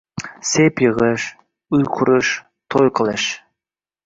Sep yigʻish, uy qurish, toʻy qilish